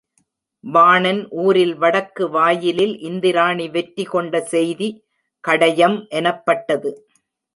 வாணன் ஊரில் வடக்கு வாயிலில் இந்திராணி வெற்றி கொண்ட செய்தி கடையம் எனப்பட்டது.